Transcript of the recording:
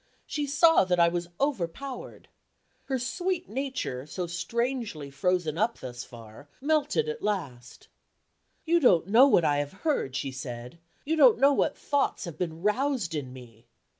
She saw that I was overpowered. Her sweet nature, so strangely frozen up thus far, melted at last. "You don't know what I have heard," she said, "you don't know what thoughts have been roused in me."